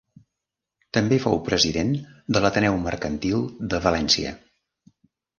També fou president de l'Ateneu Mercantil de València.